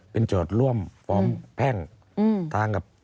เป็นโจทย์ร่วมฟอร์มแผ้ง